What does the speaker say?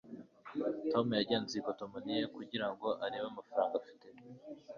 tom yagenzuye ikotomoni ye kugira ngo arebe amafaranga afite